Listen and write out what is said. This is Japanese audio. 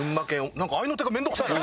なんか合いの手が面倒くさいな。